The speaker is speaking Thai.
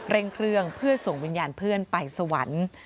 เร่งเครื่องเพื่อส่งวิญญาณเพื่อนไปสวรรค์